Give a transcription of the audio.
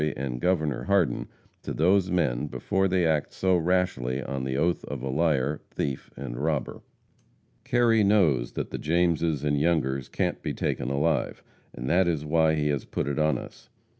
and Gov. Hardin to those men before they act so rashly on the oath of a liar, thief and robber. Kerry knows that the Jameses and Youngers can't be taken alive, and that is why he has put it on us.